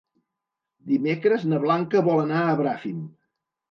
Dimecres na Blanca vol anar a Bràfim.